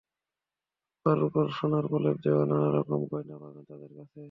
রুপার ওপর সোনার প্রলেপ দেওয়া নানা রকম গয়না পাবেন তাদের কাছে।